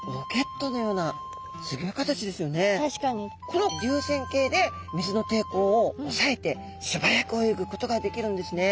この流線形で水の抵抗をおさえてすばやく泳ぐことができるんですね。